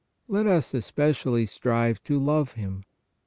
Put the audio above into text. Let us especially strive to love Him.